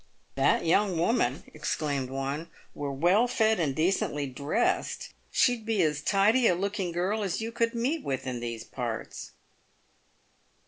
"If that young woman," exclaimed one, "were well fed and de cently dressed, she'd be as tidy a looking girl as you could meet with in these parts."